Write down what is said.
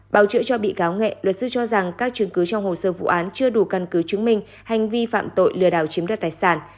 bào chữa cho bị cáo nghệ luật sư cho rằng các chứng cứ trong hồ sơ vụ án chưa đủ căn cứ chứng minh hành vi phạm tội lừa đảo chiếm đoạt tài sản